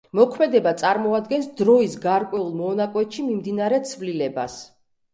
მოქმედება წარმოადგენს დროის გარკვეულ მონაკვეთში მიმდინარე ცვლილებას.